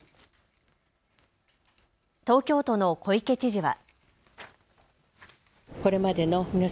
東京都の小池知事は。